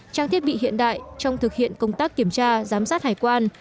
trang thiết bị hiện đại trong thực hiện công tác kiểm tra giám sát hải quan